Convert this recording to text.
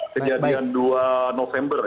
kejadian dua november